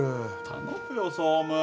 頼むよ総務。